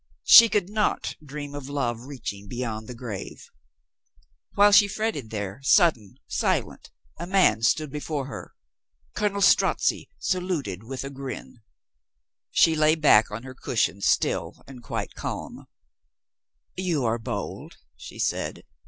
She could not dream of love reaching beyond the grave. While she fretted there, sudden, silent, a man stood before her. Colonel StrozzI saluted with a grin. 443 444 COLONEL GREATHEART She lay back on her cushions still and quite calm. "You are bold," she said.